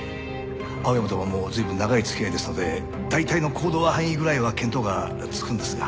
青山とはもう随分長い付き合いですので大体の行動範囲ぐらいは見当がつくんですが。